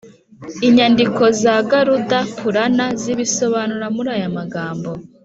inyandiko za garuda purana zibisobanura muri aya magambo